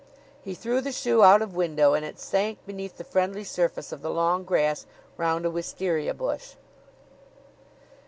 He threw the shoe out of window, and it sank beneath the friendly surface of the long grass round a wisteria bush.